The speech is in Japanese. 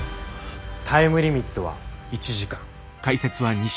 タイムリミットは１時間。